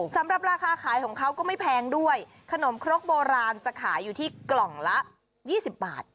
สำหรับราคาขายของเขาก็ไม่แพงด้วยขนมครกโบราณจะขายอยู่ที่กล่องละ๒๐บาท